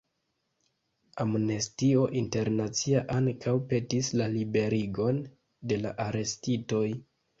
Amnestio Internacia ankaŭ petis la liberigon de la arestitoj.